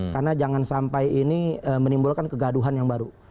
karena jangan sampai ini menimbulkan kegaduhan yang baru